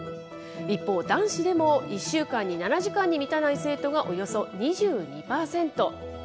一方、男子でも１週間に７時間に満たない生徒がおよそ２２％。